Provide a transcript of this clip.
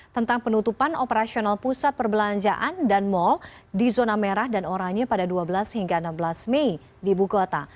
tentang penutupan operasional pusat perbelanjaan dan mal di zona merah dan oranye pada dua belas hingga enam belas mei di buku kota